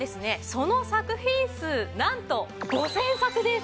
その作品数なんと５０００作です。